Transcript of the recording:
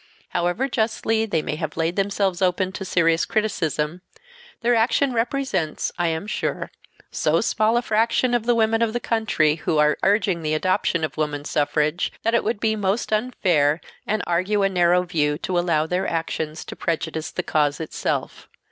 However justly they may have laid themselves open to serious criticism, their action represents, I am sure, so small a fraction of the women of the country who are urging the adoption of woman suffrage that it would be most unfair and argue a narrow view to allow their actions to prejudice the cause itself.